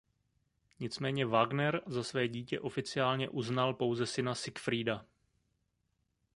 Nicméně Wagner za své dítě oficiálně uznal pouze syna Siegfrieda.